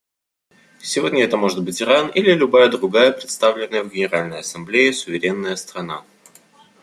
Сегодня это может быть Иран или любая другая представленная в Генеральной Ассамблее суверенная страна.